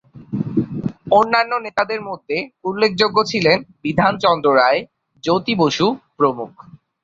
অন্যান্য নেতাদের মধ্যে উল্লেখযোগ্য ছিলেন বিধানচন্দ্র রায়, জ্যোতি বসু প্রমুখ।